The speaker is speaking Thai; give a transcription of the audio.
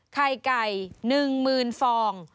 ไข่ไก่๑๐๐๐ฟอง